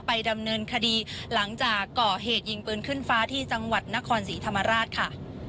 ดำเนินคดีหลังจากก่อเหตุยิงปืนขึ้นฟ้าที่จังหวัดนครศรีธรรมราชค่ะ